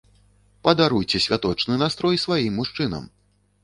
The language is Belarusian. Падаруйце святочны настрой сваім мужчынам!